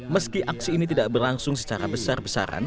meski aksi ini tidak berlangsung secara besar besaran